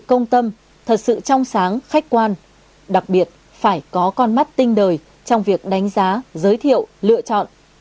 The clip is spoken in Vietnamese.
công tâm thật sự trong sáng khách quan đặc biệt phải có con mắt tinh đời trong việc đánh giá giới thiệu lựa chọn